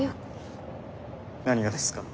何がですか？